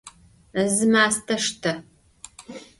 Zı maste şşte!